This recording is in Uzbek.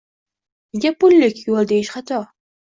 Nega pullik yoʻl deyish xato